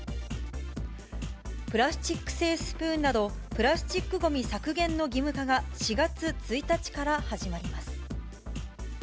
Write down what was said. プラスチック製スプーンなど、プラスチックごみ削減の義務化が４月１日から始まります。